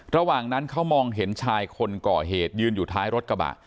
ระหว่างนั้นเขามองเห็นชายคนก่อเหตุยืนอยู่ท้ายรถกระบะ